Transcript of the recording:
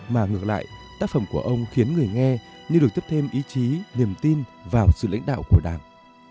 mà ngược lại tác phẩm của ông khiến người nghe như được tiếp thêm ý chí niềm tin vào sự lãnh đạo của đảng